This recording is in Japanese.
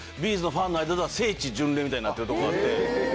’ｚファンの間では聖地巡礼みたいになってる所あって。